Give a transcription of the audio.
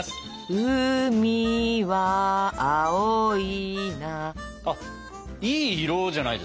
うみは青いなあいい色じゃないですか。